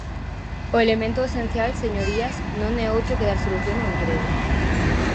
O elemento esencial, señorías, non é outro que dar solución ao emprego.